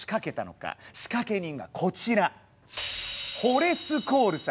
仕掛け人がこちら。